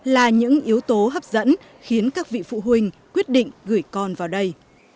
là những yếu tố hấp dẫn khiến các vị phụ huynh quyết định gửi con vào đây